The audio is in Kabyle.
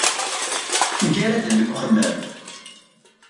Mgaraden deg uxemmem.